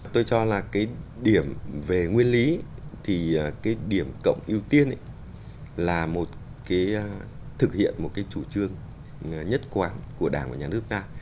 tôi cho là cái điểm về nguyên lý thì cái điểm cộng ưu tiên là một cái thực hiện một cái chủ trương nhất quán của đảng và nhà nước ta